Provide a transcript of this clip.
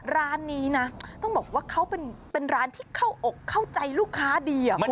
ร้านนี้นะต้องบอกว่าเขาเป็นร้านที่เข้าอกเข้าใจลูกค้าดี